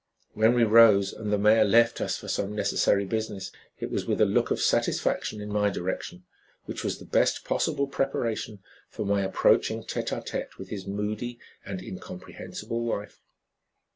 When we rose and the mayor left us for some necessary business it was with a look of satisfaction in my direction which was the best possible preparation for my approaching tete a tete with his moody and incomprehensible wife.